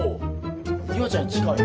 夕空ちゃん近い。